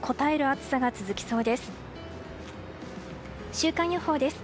週間予報です。